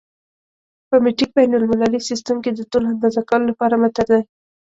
په مټریک بین المللي سیسټم کې د طول اندازه کولو لپاره متر دی.